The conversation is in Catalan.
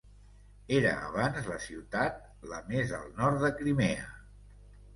Era abans la ciutat la més al nord de Crimea.